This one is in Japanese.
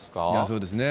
そうですね。